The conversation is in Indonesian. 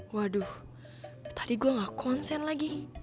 waduh tadi gue gak konsen lagi